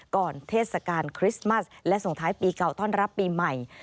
เทศกาลคริสต์มัสและส่งท้ายปีเก่าต้อนรับปีใหม่